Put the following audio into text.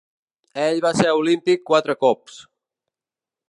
Ell va ser olímpic quatre cops.